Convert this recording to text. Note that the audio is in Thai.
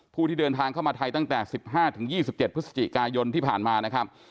ที่เดินทางเข้ามาไทยตั้งแต่๑๕๒๗พฤศจิกายนที่ผ่านมานะครับ